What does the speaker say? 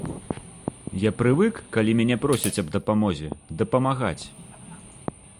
Я прывык калі мяне просяць аб дапамозе, дапамагаць.